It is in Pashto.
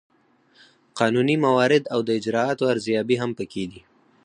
قانوني موارد او د اجرااتو ارزیابي هم پکې دي.